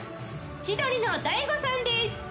千鳥の大悟さんです。